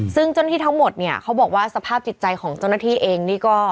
ซึ่งเจ้าหน้าที่ทั้งหมดเนี่ยเขาบอกว่าสภาพจิตใจของเจ้าหน้าที่เองนี่ก็